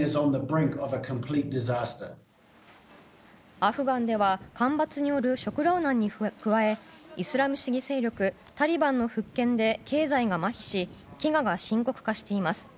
アフガンでは干ばつによる食糧難に加えイスラム主義勢力タリバンの復権で経済がまひし飢餓が深刻化しています。